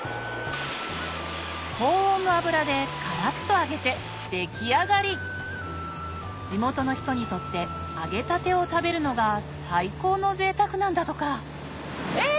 高温の油でカラっと揚げて出来上がり地元の人にとって揚げたてを食べるのが最高の贅沢なんだとかえっ！